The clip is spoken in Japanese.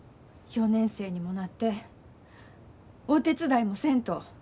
４年生にもなってお手伝いもせんと。